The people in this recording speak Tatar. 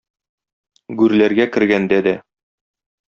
Гүрләргә кергәндә дә.